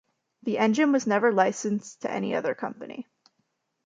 The engine was never licensed to any other company.